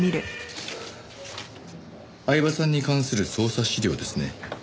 饗庭さんに関する捜査資料ですね。